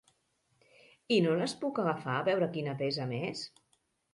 I no les puc agafar a veure quina pesa més?